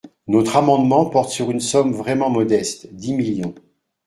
Notre amendement porte sur une somme vraiment modeste : dix millions.